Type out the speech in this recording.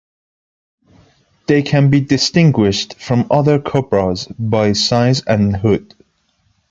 They can be distinguished from other cobras by size and hood.